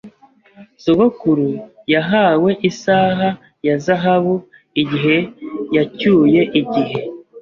Sogokuru yahawe isaha ya zahabu igihe yacyuye igihe.